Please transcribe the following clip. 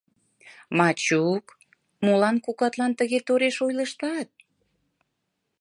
Мачук, молан кокатлан тыге тореш ойлыштат?